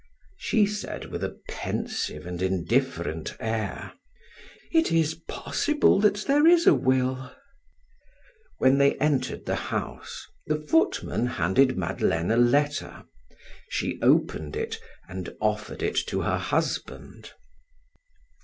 She said with a pensive and indifferent air: "It is possible that there is a will." When they entered the house, the footman handed Madeleine a letter. She opened it and offered it to her husband.